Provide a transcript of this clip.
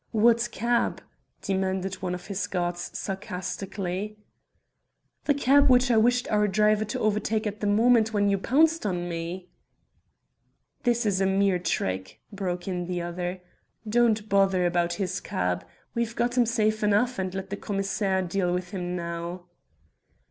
"What cab?" demanded one of his guards sarcastically. "The cab which I wished our driver to overtake at the moment when you pounced on me." "This is a mere trick," broke in the other. "Don't bother about his cab. We have got him safe enough, and let the commissaire deal with him now."